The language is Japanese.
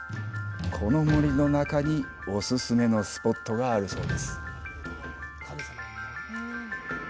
この森の中にお勧めのスポットがあるそうです。